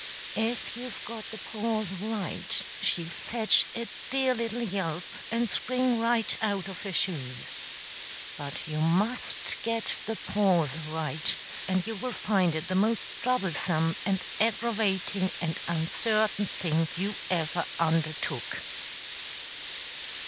If you've got the pause right, she'll fetch a dear little yelp and spring right out of her shoes. But you must get the pause right; and you will find it the most troublesome and aggravating and uncertain thing you ever undertook.